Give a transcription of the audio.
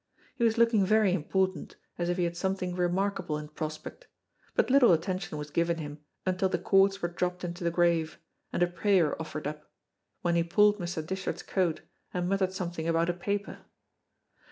He was looking very important, as if he had something remarkable in prospect, but little attention was given him until the cords were dropped into the grave, and a prayer offered up, when he pulled Mr. Dishart's coat and muttered something about a paper.